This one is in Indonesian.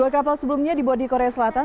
dua kapal sebelumnya dibuat di korea selatan